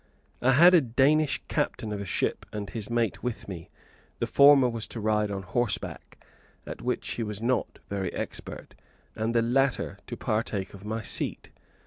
I had a Danish captain of a ship and his mate with me; the former was to ride on horseback, at which he was not very expert, and the latter to partake of my seat.